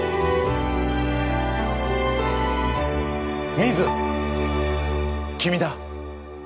ミズ君だ。